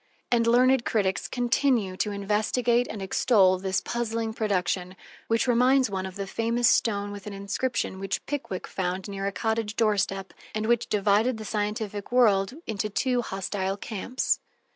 And learned critics continue to investigate and extol this puzzling production, which reminds one of the famous stone with an inscription which Pickwick found near a cottage doorstep, and which divided the scientific world into two hostile camps.